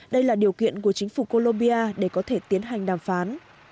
đây là điều kiện của chính phủ colombia để có thể tiến hành đàm phán